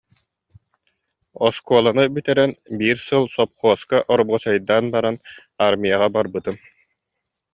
Оскуоланы бүтэрэн, биир сыл сопхуоска оробуочайдаан баран, аармыйаҕа барбытым